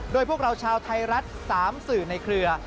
โดยพวกเราชาวไทยรัฐ๓สื่อในเครือ